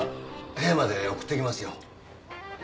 部屋まで送っていきますよ。